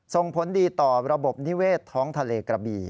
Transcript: ส่งผลดีต่อระบบนิเวศท้องทะเลกระบี่